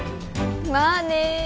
まあね